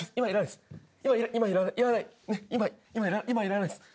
今いらないです。